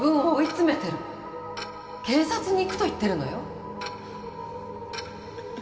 警察に行くと言ってるのよ？